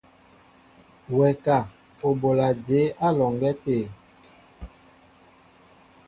Wɛ ka , o bola jěbá á alɔŋgá tê?